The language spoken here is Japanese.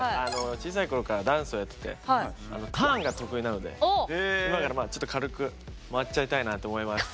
小さい頃からダンスをやっててターンが得意なので今からちょっと軽く回っちゃいたいなと思います。